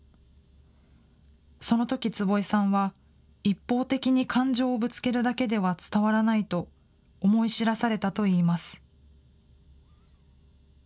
そのとき、坪井さんは一方的に感情をぶつけるだけでは伝わらないと思い知らされたといいます。